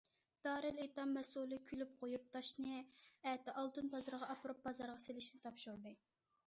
دارىلئېتام مەسئۇلى كۈلۈپ قويۇپ، تاشنى ئەتە ئالتۇن بازىرىغا ئاپىرىپ بازارغا سېلىشنى تاپشۇردى.